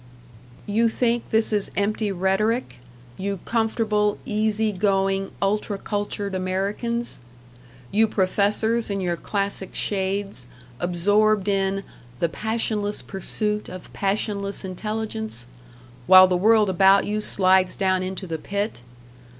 You think this is empty rhetoric you comfortable, easy going, ultra cultured Americans? You professors in your classic shades, absorbed in "the passionless pursuit of passionless intelligence" while the world about you slides down into the pit!